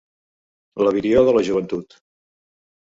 La virior de la joventut.